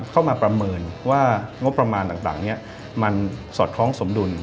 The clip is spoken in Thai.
ประเมินว่างบประมาณต่างนี้มันสอดคล้องสมดุล